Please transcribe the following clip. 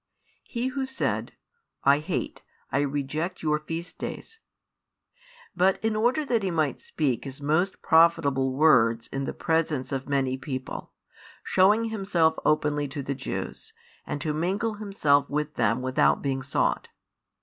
He Who said: I hate, I reject your feast days: but in order that He might speak His most profitable words in the presence of many people, showing Himself openly to the Jews, and to mingle Himself with them without being sought.